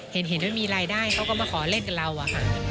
เห็นว่ามีรายได้เขาก็มาขอเล่นกับเราอะค่ะ